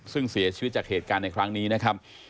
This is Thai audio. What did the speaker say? ซึ่งเสียชีวิตจากเหตุการณ์ในครั้งนี้นะครับ